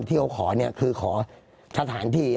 ที่เขาขอเนี่ยคือขอสถานที่